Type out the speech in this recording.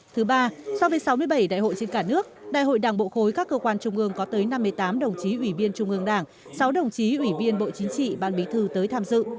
thứ ba so với sáu mươi bảy đại hội trên cả nước đại hội đảng bộ khối các cơ quan trung ương có tới năm mươi tám đồng chí ủy viên trung ương đảng sáu đồng chí ủy viên bộ chính trị ban bí thư tới tham dự